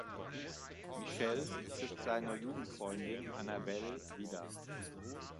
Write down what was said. Michel trifft seine Jugendfreundin Annabelle wieder.